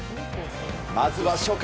まずは初回。